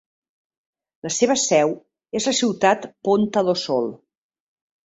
La seva seu és la ciutat Ponta do Sol.